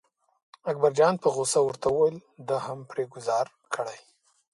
اکبرجان په غوسه ورته وویل ده هم پرې ګوزار کړی.